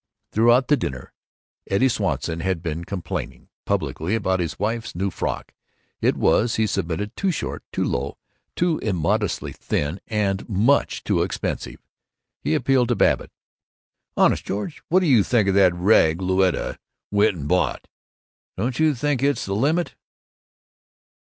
Throughout the dinner Eddie Swanson had been complaining, publicly, about his wife's new frock. It was, he submitted, too short, too low, too immodestly thin, and much too expensive. He appealed to Babbitt: "Honest, George, what do you think of that rag Louetta went and bought? Don't you think it's the limit?"